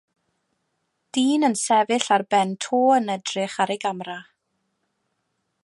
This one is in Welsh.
Dyn yn sefyll ar ben to yn edrych ar ei gamera.